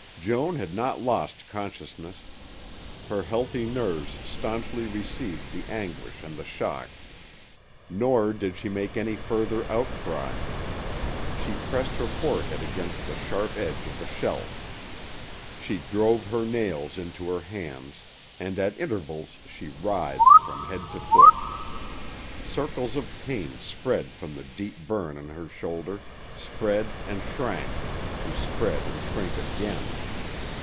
Joan had not lost consciousness. Her healthy nerves stanchly received the anguish and the shock, nor did she make any further outcry. She pressed her forehead against the sharp edge of the shelf, she drove her nails into her hands, and at intervals she writhed from head to foot. Circles of pain spread from the deep burn on her shoulder, spread and shrank, to spread and shrink again.